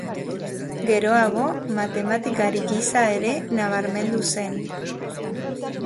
Geroago, matematikari gisa ere nabarmendu zen.